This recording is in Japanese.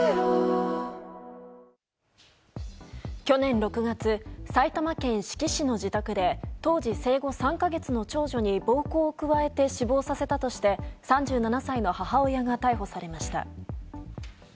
去年６月埼玉県志木市の自宅で当時、生後３か月の長女に暴行を加えて死亡させたとして３７歳の母親が逮捕されました。